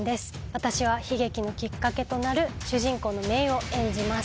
私は悲劇のきっかけとなる主人公の姪を演じます。